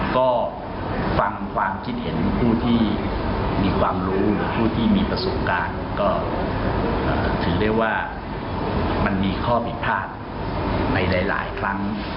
ก็ฟังความคิดเห็นผู้ที่มีความรู้หรือผู้ที่มีประสบการณ์ก็ถือได้ว่ามันมีข้อผิดพลาดในหลายครั้ง